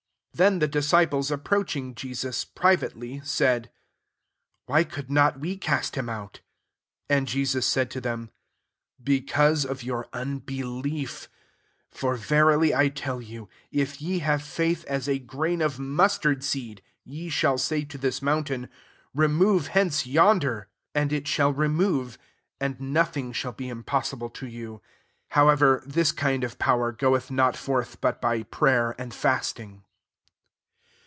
19 Then the disciples ap* proaching Jesus, privately, satd^ '• Why could not we cast hkn out?" 20 And Jesus said to them, "Because of your unbe lief: for verily I tell you, If ye have faith as a grain of mustard seed, ye shall say to this moun tain, * Remove hence, yonder,' MATTHEW XVIIL and it shall remove; and no thing shall be impossible to you. 21 ^However, this kind q/*/iow er goeth not forth but by pray er and fasting.